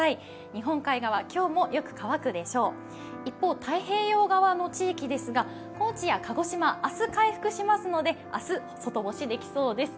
日本海側、今日もよく乾くでしょう一方、太平洋側の地域ですが、高知や鹿児島、明日、回復しますので、明日、外干しできそうです。